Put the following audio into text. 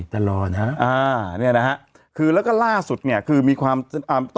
ตลอดฮะอ่าเนี่ยนะฮะคือแล้วก็ล่าสุดเนี่ยคือมีความอ่า